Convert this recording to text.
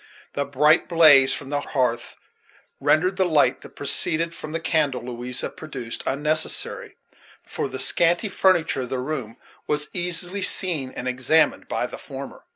The bright blaze from the hearth rendered the light that proceeded from the candle Louisa produced unnecessary; for the scanty furniture of the room was easily seen and examined by the former.